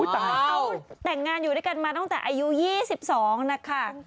เขาแต่งงานอยู่ด้วยกันมาตั้งแต่อายุ๒๒นะคะ